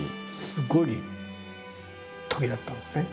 すごいときだったんですね。